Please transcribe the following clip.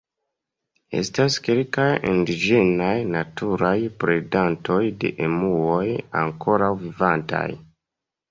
Estas kelkaj indiĝenaj naturaj predantoj de emuoj ankoraŭ vivantaj.